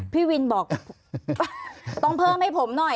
พี่วินบอกต้องเพิ่มให้ผมหน่อย